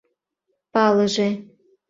— Палыже!..